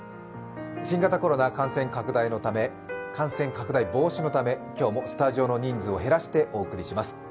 新型コロナ感染拡大防止のため今日もスタジオの人数を減らしてお送りします。